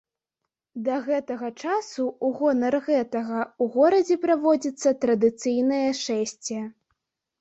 Да гэтага часу ў гонар гэтага ў горадзе праводзіцца традыцыйнае шэсце.